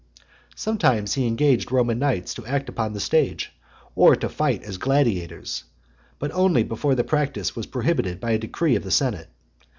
Sometimes he engaged Roman knights to act upon the stage, or to fight as gladiators; but only before the practice was prohibited by a decree of the senate.